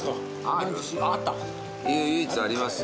唯一ありますよ。